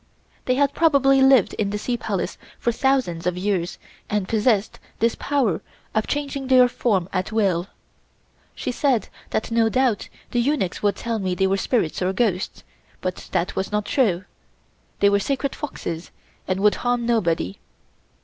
They had probably lived in the Sea Palace for thousands of years and possessed this power of changing their form at will. She said that no doubt the eunuchs would tell me they were spirits or ghosts, but that was not true: they were sacred foxes and would harm nobody.